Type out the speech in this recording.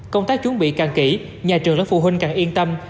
công tác chuẩn bị càng kỹ nhà trường lẫn phụ huynh càng yên tâm